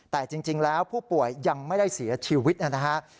แต่จริงแล้วผู้ป่วยยังไม่ได้เสียชีวิตนะครับ